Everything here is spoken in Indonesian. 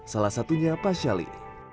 salah satunya pak shaly